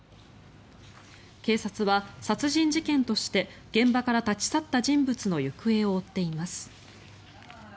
警察は殺人事件として現場から立ち去った人物の行方を追っています。